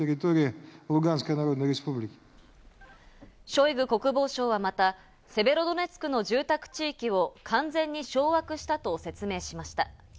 ショイグ国防相はまた、セベロドネツクの住宅地域を完全に掌握したと説明しました。